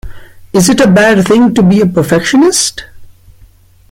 Is it a bad thing to be a perfectionist?